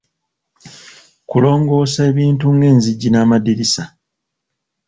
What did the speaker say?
Kulongoosa ebintu ng'enzijji n'amadirisa.